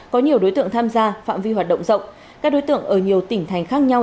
có nhiều đối tượng tham gia phạm vi hoạt động rộng các đối tượng ở nhiều tỉnh thành khác nhau